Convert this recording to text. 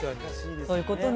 そういうことね。